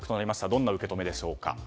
どんな受け止めでしょうか？